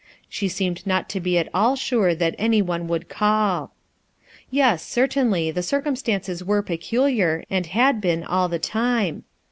She seemed not to be at all surc that any one would call. Yes, certainly, the circumstances were pecul iar and had bocn all the time.